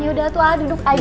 ya udah tuh duduk aja